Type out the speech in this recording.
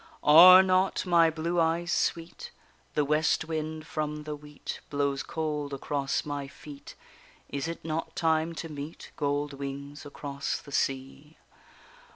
Are not my blue eyes sweet? The west wind from the wheat Blows cold across my feet; Is it not time to meet Gold wings across the sea?